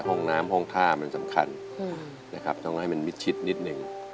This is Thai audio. ห้องน้ำห้องท่ามันสำคัญนะครับต้องให้มันมิดชิดนิดนึง